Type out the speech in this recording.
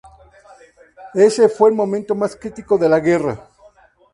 Ese fue el momento más crítico de la guerra.